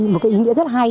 một cái ý nghĩa rất hay